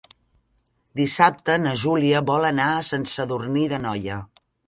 Dissabte na Júlia vol anar a Sant Sadurní d'Anoia.